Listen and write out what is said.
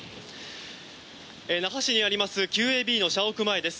那覇市にありますＱＡＢの社屋前です。